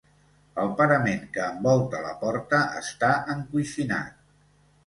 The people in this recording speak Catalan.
El parament que envolta la porta està encoixinat.